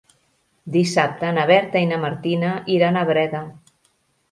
Dissabte na Berta i na Martina iran a Breda.